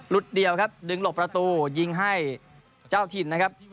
เดียวครับดึงหลบประตูยิงให้เจ้าถิ่นนะครับ